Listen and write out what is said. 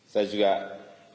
saya juga menerima laporan